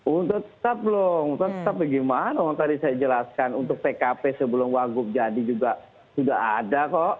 untuk tetap loh untuk tetap bagaimana tadi saya jelaskan untuk pkp sebelum waguk jadi juga ada kok